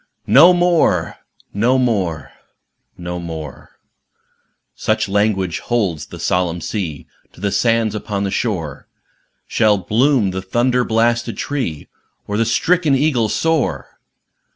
"No moreâno moreâno moreâ" (Such language holds the solemn sea To the sands upon the shore) Shall bloom the thunder blasted tree, Or the stricken eagle soar!